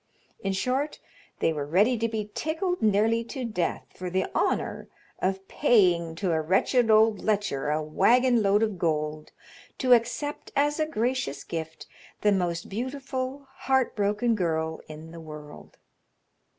In short, they were ready to be tickled nearly to death for the honor of paying to a wretched old lecher a wagon load of gold to accept, as a gracious gift, the most beautiful heart broken girl in the world.